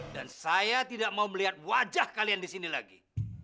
dan saya tidak mau melihat wajah kalian di sini lagi